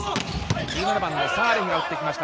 １７番・サーレヒが打ってきました。